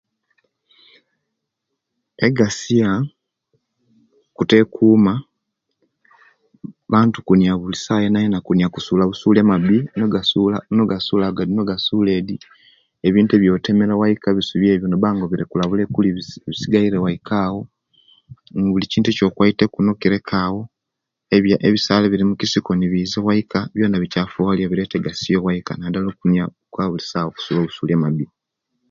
Egasiya butekuma bantu kunya bulisawa yonayona kuniya kusula busuli amabi gadi nogasula gadi nogasula edi ebintu ebiyotemere obwaika nobanga oborekula bulekuli bisigaire bwaika awo bukintu ekyo kwaiteku nokireka awo ebisale ebiri mikisiko byona nebiza obwaika byona bichafuwaliya nadala okuniya bulisawa okusula obusuli amabi